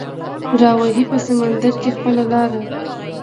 راوهي په سمندر کې خپله لاره